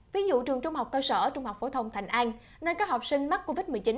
ví dụ trường trung học cơ sở trung học phổ thông thành an nơi các học sinh mắc covid một mươi chín